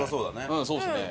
うんそうですね。